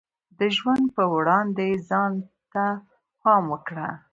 د ژوند په وړاندې ځان ته پام وکړه.